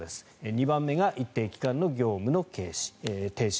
２番目が一定期間の業務の停止